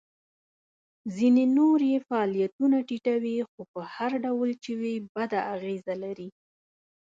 ځینې نور یې فعالیتونه ټیټوي خو په هر ډول چې وي بده اغیزه لري.